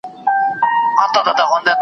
پرون یې بیا له هغه ښاره جنازې وایستې .